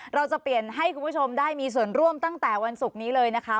เราจะเปลี่ยนให้คุณผู้ชมได้มีส่วนร่วมตั้งแต่วันศุกร์นี้เลยนะคะ